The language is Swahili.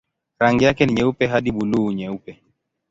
Rangi yake ni nyeupe hadi buluu-nyeupe.